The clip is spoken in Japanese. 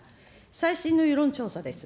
最新の世論調査です。